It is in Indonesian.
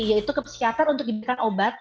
yaitu ke psikiater untuk diberikan obat